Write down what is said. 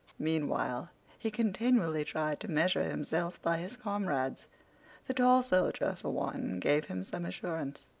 Meanwhile, he continually tried to measure himself by his comrades. The tall soldier, for one, gave him some assurance.